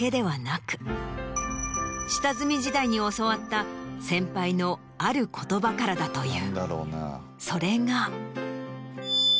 下積み時代に教わった先輩のある言葉からだという。